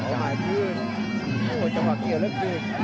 มันจะหายขึ้นจังหวะเกี่ยวแล้วขึ้น